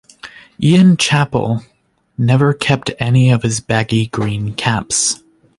Ian Chappell never kept any of his baggy green caps.